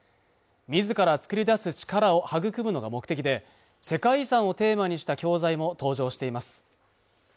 自ら作り出す力を育むのが目的で世界遺産をテーマにした教材も登場しています